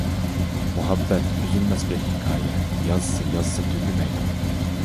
مۇھەببەت ئۈزۈلمەس بىر ھېكايە يازسا يازسا تۈگىمەيدۇ.